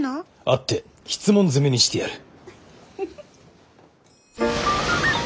会って質問攻めにしてやる。